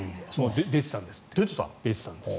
出てたんですって。